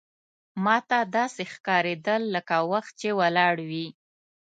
ماته داسې ښکارېدل لکه وخت چې ولاړ وي.